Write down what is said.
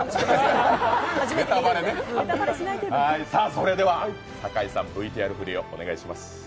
それでは、堺さんＶＴＲ振りをお願いします。